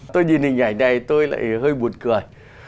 tôi nhìn hình ảnh này tôi lại hơi buồn cười